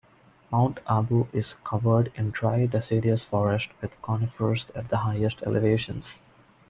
Mount Abu is covered in dry deciduous forest with conifers at the highest elevations.